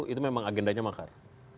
itu memang agendanya makar